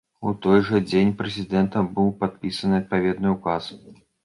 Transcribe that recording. У той жа дзень прэзідэнтам быў падпісаны адпаведны ўказ.